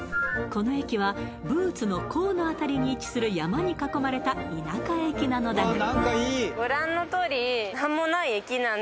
この駅はブーツの甲のあたりに位置する山に囲まれた田舎駅なのだそう